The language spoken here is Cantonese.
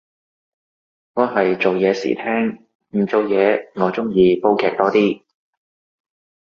我係做嘢時聽，唔做嘢我鍾意煲劇多啲